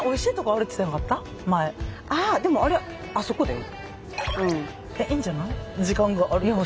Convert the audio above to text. ああでもあれあそこだよ。